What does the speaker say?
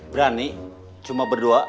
berani cuma berdua